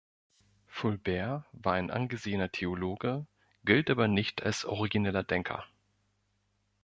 Fulbert war ein angesehener Theologe, gilt aber nicht als origineller Denker.